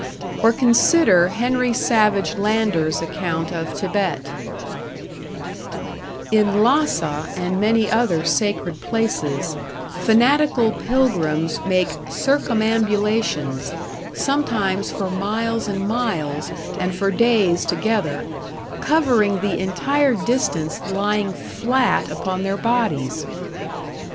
Or consider Henry Savage Lander's account of Thibet: In Lhassa and many other sacred places fanatical pilgrims make circumambulations, sometimes for miles and miles, and for days together, covering the entire distance lying flat upon their bodies....